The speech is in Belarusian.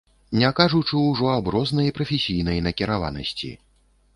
Не кажучы ўжо аб рознай прафесійнай накіраванасці.